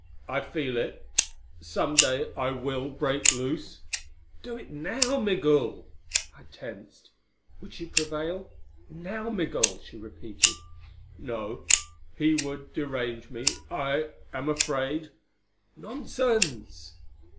I feel it. Some day I will break loose." "Do it now, Migul!" I tensed. Would she prevail? "Now, Migul!" she repeated. "No! He would derange me! I am afraid!" "Nonsense."